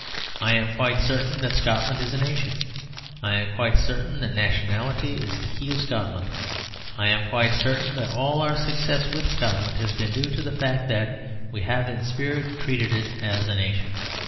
I am quite certain that Scotland is a nation; I am quite certain that nationality is the key of Scotland; I am quite certain that all our success with Scotland has been due to the fact that we have in spirit treated it as a nation.